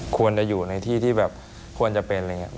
ควรจะอยู่ในที่ที่แบบควรจะเป็นอะไรอย่างนี้